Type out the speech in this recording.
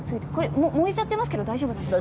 燃えていますけど大丈夫なんですか？